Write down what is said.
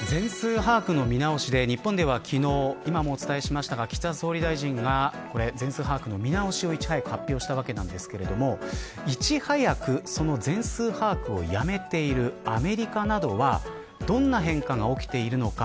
全数把握の見直しで日本では昨日岸田総理大臣が全数把握の見直しをいち早く発表したわけですがいち早くその全数把握をやめているアメリカなどはどんな変化が起きているのか。